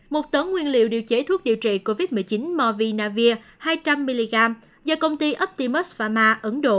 một tấn nguyên liệu điều chế thuốc điều trị covid một mươi chín movinavir hai trăm linh mg do công ty uptimus vama ấn độ